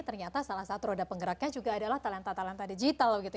ternyata salah satu roda penggeraknya juga adalah talenta talenta digital